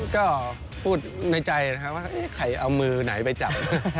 ก็พูดในใจนะครับว่าใครเอามือไหนไปจับ